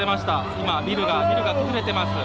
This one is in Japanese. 今ビルがビルが崩れてます」。